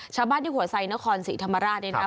ชาวบ้านอยู่หัวไซน์นครศรีธรรมราช